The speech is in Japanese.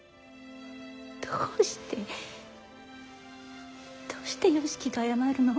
どうしてどうして良樹が謝るの。